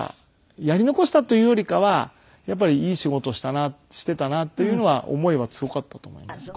やり残したというよりかはやっぱりいい仕事したなしていたなっていうのは思いは強かったと思いますね。